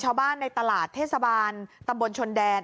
ชาวบ้านในตลาดเทศบาลตำบลชนแดน